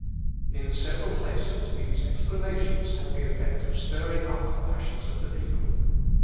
In several places these exclamations had the effect of stirring up the passions of the people.